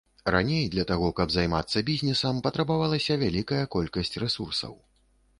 Раней для таго, каб займацца бізнесам, патрабавалася вялікая колькасць рэсурсаў.